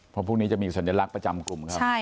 เพราะพวกนี้จะมีสัญลักษณ์ประจำกลุ่มครับ